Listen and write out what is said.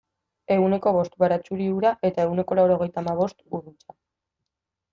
Ehuneko bost baratxuri ura eta ehuneko laurogeita hamabost ur hutsa.